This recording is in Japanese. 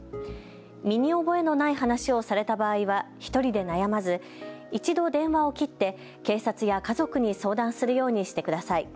身に覚えのない話をされた場合は１人で悩まず一度、電話を切って警察や家族に相談するようにしてください。